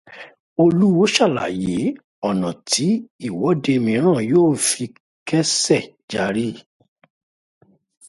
Oluwo ṣàlàyé ọ̀nà tí ìwọ́de míràn yóò fi kẹ́sẹ járí